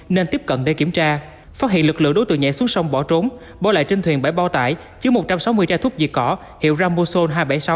nên tiếp cận để kiểm tra phát hiện lực lượng đối tượng nhảy xuống sông bỏ trốn bỏ lại trên thuyền bảy bao tải chứa một trăm sáu mươi chai thuốc diệt cỏ hiệu ramoson hai trăm bảy mươi sáu